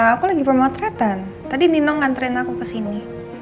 aku lagi pemotretan tadi nino ngantren aku ke sini